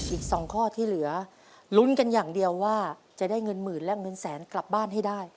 อีก๒ข้อที่เหลือลุ้นกันอย่างเดียวว่าจะได้เงินหมื่นและเงินแสนกลับบ้านให้ได้